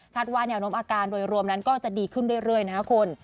คาดว่าเนี่ยอนมอาการโดยรวมนั้นก็จะดีขึ้นเรื่อยนะคะคุณ